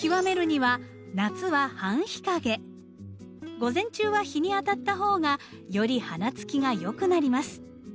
午前中は日に当たった方がより花つきが良くなります。